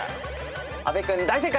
阿部君大正解。